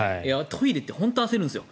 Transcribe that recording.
トイレって本当に焦るんですよ。